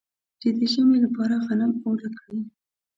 چې د ژمي لپاره غنم اوړه کړي.